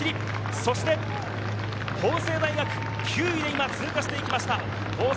法政大学９位で通過していきました。